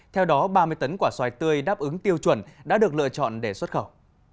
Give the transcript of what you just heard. theo đó ba mươi tấn quả xoài tươi đáp ứng tiêu chuẩn đã được lựa chọn để xuất khẩu